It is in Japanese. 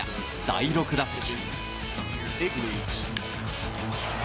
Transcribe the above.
第６打席。